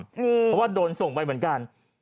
เพราะว่าโดนส่งไปเหมือนกัน